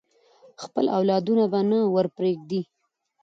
خپل اولادونه به نه ورپریږدي.